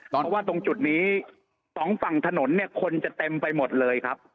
เพราะว่าตรงจุดนี้สองฝั่งถนนเนี่ยคนจะเต็มไปหมดเลยครับ